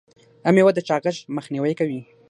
دا میوه د چاغښت مخنیوی کوي.